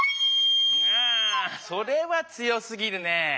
それは強すぎるね。